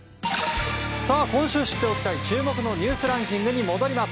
今週知っておきたい注目のニュースランキングに戻ります。